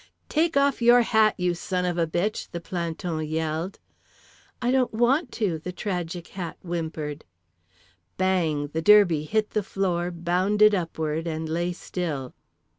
"Take off your hat, you son of a bitch," the planton yelled. "I don't want to," the tragic Hat whimpered. BANG! the derby hit the floor, bounded upward and lay still.